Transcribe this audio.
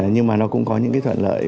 nhưng mà nó cũng có những cái thuận lợi